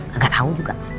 gak tau juga